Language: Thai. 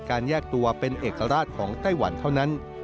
แยกตัวเป็นเอกราชของไต้หวันเท่านั้น